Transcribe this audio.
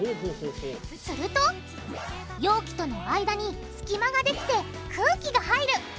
すると容器との間に隙間ができて空気が入る。